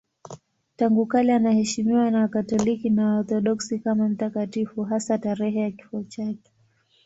Tangu kale anaheshimiwa na Wakatoliki na Waorthodoksi kama mtakatifu, hasa tarehe ya kifo chake.